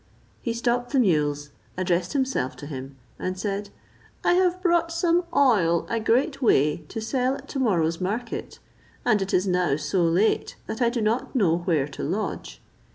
He stopped his mules, addressed himself to him, and said, "I have brought some oil a great way, to sell at to morrow's market; and it is now so late that I do not know where to lodge.